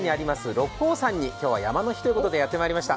六甲山に、今日は山の日ということでやってまいりました。